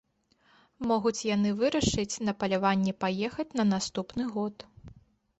Могуць яны вырашыць на паляванне паехаць на наступны год.